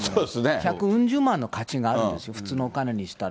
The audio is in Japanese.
百うん十万の価値があるんですよ、普通のお金にしたら。